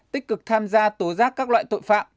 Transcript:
tích cực tham gia tố giác các loại tội phạm